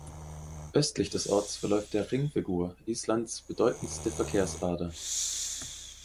Östlich des Orts verläuft der Hringvegur, Islands bedeutendste Verkehrsader.